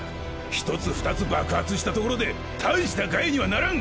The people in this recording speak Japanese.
１つ２つ爆発したところで大した害にはならん。